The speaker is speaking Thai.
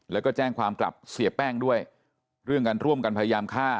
แล้วก็แจ้งความกลับเสียแป้งด้วยเรื่องการร่วมกันพยายามฆ่า